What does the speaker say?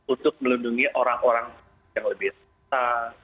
untuk melindungi orang orang yang lebih besar